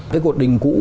cái cột đình cũ